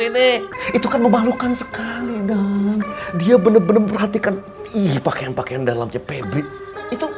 ini itu kan memalukan sekali dan dia bener bener perhatikan pakaian pakaian dalamnya pebri itu